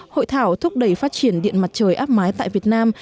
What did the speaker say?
hội thảo thúc đẩy phát triển điện mặt trời áp mái tại việt nam